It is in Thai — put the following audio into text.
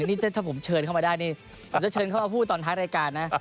นี่ถ้าผมเชิญเข้ามาได้นี่ผมจะเชิญเข้ามาพูดตอนท้ายรายการนะ